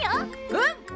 うん！